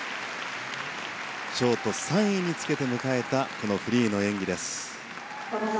ショート３位につけて迎えたフリーの演技です。